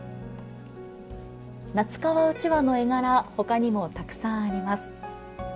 撫川うちわの絵柄ほかにもたくさんあります。